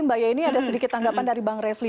mbak yeni ada sedikit tanggapan dari bang refli